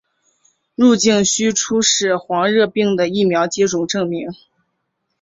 入境须出示黄热病的疫苗接种证明。